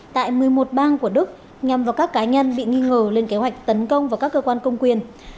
tại một mươi một bang của đức nhằm vào các cá nhân bị nghi ngờ lên kế hoạch tấn công vào các cơ quan công quyền